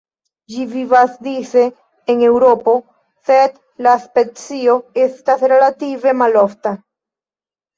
Ĝi vivas dise en Eŭropo, sed la specio estas relative malofta.